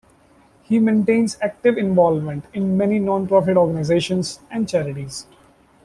He maintains active involvement in many non-profit organizations and charities.